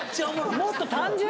もっと単純よ。